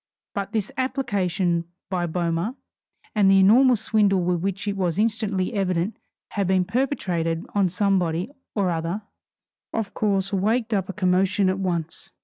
But this application by Boehmer, and the enormous swindle which it was instantly evident had been perpetrated on somebody or other, of course waked up a commotion at once.